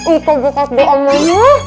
itu buka doa manu